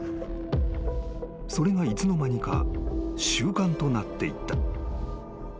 ［それがいつの間にか習慣となっていった］